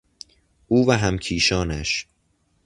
او و همکیشانش